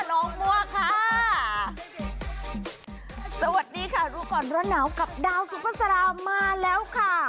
เอออ้าวใครที่กะว่าอยากจะไปเที่ยวทะเลสุดสัปดาห์นี้นะ